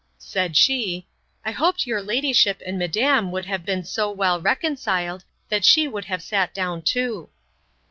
said she, I hoped your ladyship and madam would have been so well reconciled, that she would have sat down too.